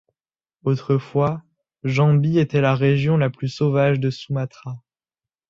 Autrefois Jambi était la région la plus sauvage de Sumatra.